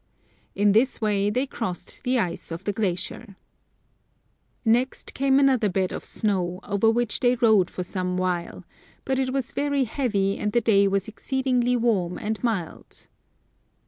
In this way they crossed the ice of the glacier. Next came another bed of snow, over which they rode for some while ; but it was very heavy, as the day was exceedingly warm and mild.